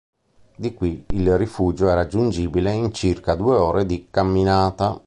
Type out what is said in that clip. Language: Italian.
Di qui il rifugio è raggiungibile in circa due ore di camminata.